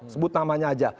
sebut namanya aja